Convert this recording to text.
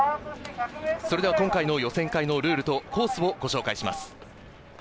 それでは今回の予選会のルールとコースをご紹介します。